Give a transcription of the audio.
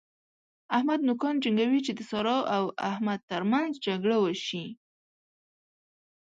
احمد نوکان جنګوي چې د سارا او احمد تر منځ جګړه وشي.